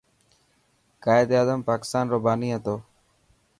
قائداعظم پاڪستان رو باني هتو.